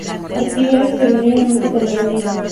Actividades que se reunieron en un catálogo libro.